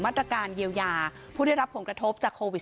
มาตรการเยียวยาผู้ได้รับผลกระทบจากโควิด๑